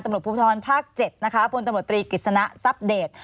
จากการตำรวจภูมิธรรณภาค๗นะคะบนตำรวจตรีกฤษณะซับเดต